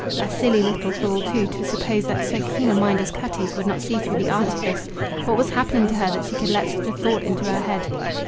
A silly little fool, too, to suppose that so keen a mind as Cutty's would not see through the artifice! What was happening to her that she could let such a thought into her head?